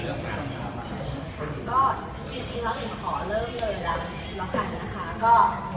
ยกจริงแล้วถ้าผมไปขอเริ่มแล้วกันนะคะ